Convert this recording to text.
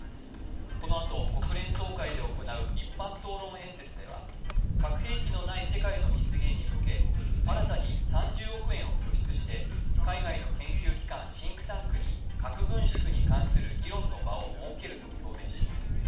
このあと国連総会で行う、一般討論演説では核兵器のない世界の実現に向け新たに３０億円を拠出して海外の研究機関・シンクタンクに核軍縮に関する議論の場を設けると表明します